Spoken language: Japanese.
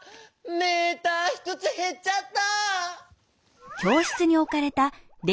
メーターひとつへっちゃった！